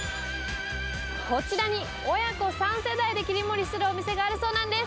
こちらに親子３世代で切り盛りするお店があるそうなんです。